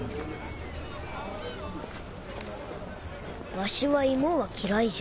わしは芋は嫌いじゃ。